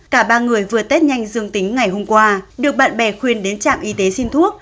cả ba người vừa tết nhanh dương tính ngày hôm qua được bạn bè khuyên đến trạm y tế xin thuốc